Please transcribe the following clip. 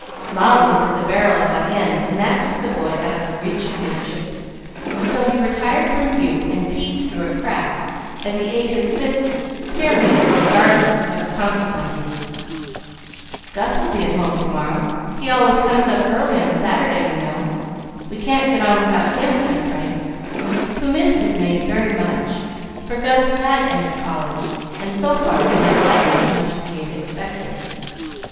Molly set the barrel up on end, and that took the boy out of the reach of mischief, so he retired from view and peeped through a crack as he ate his fifth pearmain, regardless of consequences. "Gus will be at home to morrow. He always comes up early on Saturday, you know. We can't get on without him," said Frank, who missed his mate very much, for Gus had entered college, and so far did not like it as much as he had expected.